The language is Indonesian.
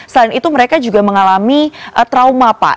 selain itu mereka juga mengalami trauma pak